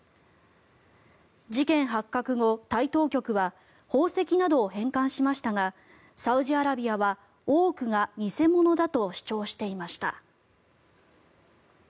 事件発覚後、タイ当局は宝石などを返還しましたがサウジアラビアは多くが偽物だと主張していました。